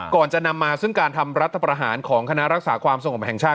ก่อนจะนำมาซึ่งการทำรัฐประหารของคณะรักษาความสงบแห่งชาติ